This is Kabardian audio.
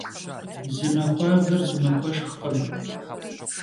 Zı maxuaver zı maxueşşxkhım.